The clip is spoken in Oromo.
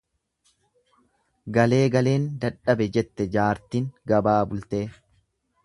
Galee galeen dadhabe jette jaartin gabaa bultee.